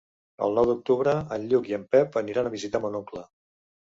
El nou d'octubre en Lluc i en Pep aniran a visitar mon oncle.